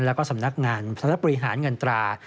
และสำนักงานพันธนปริหารเงินตรา